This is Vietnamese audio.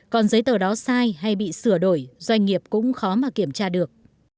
còn giấy tờ đó sai hay bị sửa đổi doanh nghiệp cũng khó mà kiểm tra được